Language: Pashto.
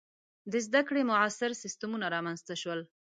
• د زده کړې معاصر سیستمونه رامنځته شول.